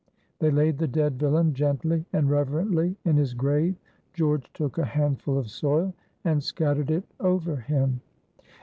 They laid the dead villain gently and reverently in his grave. George took a handful of soil and scattered it over him.